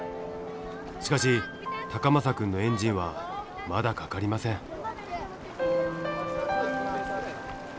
しかし崇真くんのエンジンはまだかかりません。